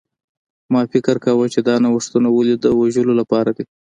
ما فکر کاوه چې دا نوښتونه ولې د وژلو لپاره دي